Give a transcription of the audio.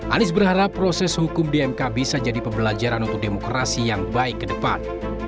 anies berharap proses hukum di mk bisa jadi pembelajaran untuk demokrasi yang baik ke depan